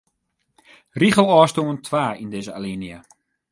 Rigelôfstân twa yn dizze alinea.